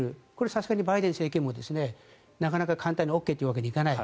さすがにバイデン政権もなかなか簡単にＯＫというわけにはいかない。